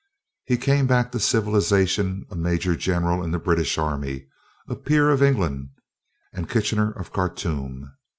He came back to civilization a Major General in the British army, a peer of England and "Kitchener of Khartoum."